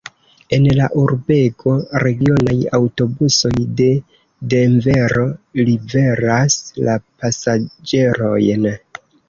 En la urbego regionaj aŭtobusoj de Denvero liveras la pasaĝerojn.